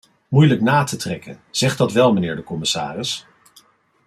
Moeilijk na te trekken, zeg dat wel, mijnheer de commissaris.